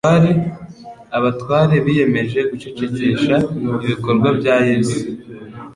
abatware biyemeje gucecekesha ibikorwa bya Yesu.